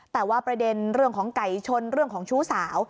แต่ว่าประเด็นเรื่องของไก่ชนเรื่องของชู้สาว